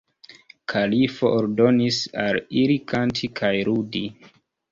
Kalifo ordonis al ili kanti kaj ludi.